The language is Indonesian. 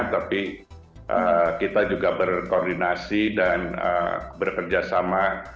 tapi kita juga berkoordinasi dan bekerja sama